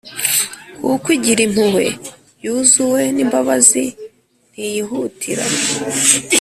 kuko igira impuhwe Yuzuwe n imbabazi ntiyihutira